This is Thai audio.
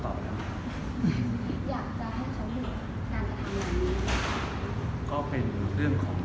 รู้สึกไปดีคือแบบถูกต้องค่ะ